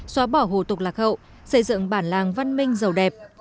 xóa bỏ hồ tục lạc hậu xây dựng bản làng văn minh giàu đẹp